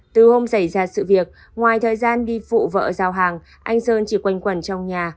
từ hôm xảy ra sự việc ngoài thời gian đi phụ vợ giao hàng anh sơn chỉ quanh quẩn trong nhà